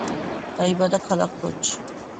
დაიბადა ქალაქ ფოთში.